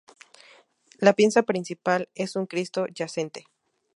La pieza principal es un Cristo Yacente.